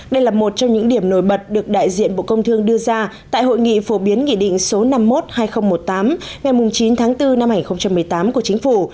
đây là một trong những điểm nổi bật được đại diện bộ công thương đưa ra tại hội nghị phổ biến nghị định số năm mươi một hai nghìn một mươi tám ngày chín tháng bốn năm hai nghìn một mươi tám của chính phủ